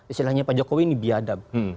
istilahnya pak jokowi ini biadab